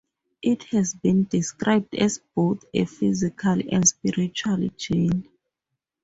It has been described as both a physical and spiritual journey.